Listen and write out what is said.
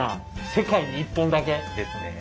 世界に１本だけ？ですね。